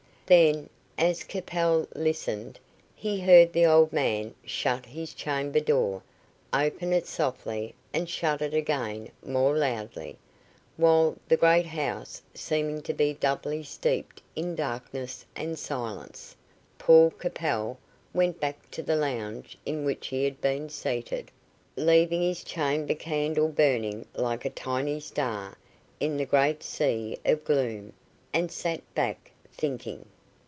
Then, as Capel listened, he heard the old man shut his chamber door, open it softly, and shut it again more loudly; while, with the great house seeming to be doubly steeped in darkness and silence, Paul Capel went back to the lounge in which he had been seated, leaving his chamber candle burning like a tiny star in the great sea of gloom, and sat back, thinking.